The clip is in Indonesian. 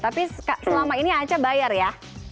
tapi selama ini aca bayar ya